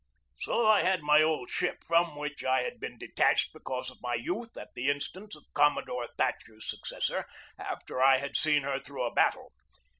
So I had my old ship from which I had been detached because of my youth at the instance of Commodore Thatcher's successor, after I had seen her through a battle.